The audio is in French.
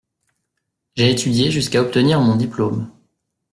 J’ai étudié jusqu’à obtenir mon diplôme.